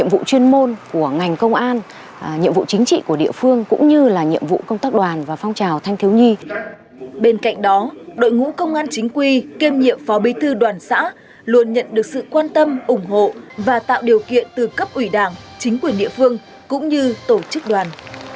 bên cạnh đó đội ngũ công an chính quy kiêm nhiệm phó bí thư đoàn xã luôn nhận được sự quan tâm ủng hộ và tạo điều kiện từ cấp ủy đảng chính quyền địa phương cũng như tổ chức đoàn